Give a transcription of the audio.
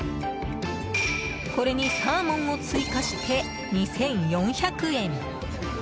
これにサーモンを追加して２４００円。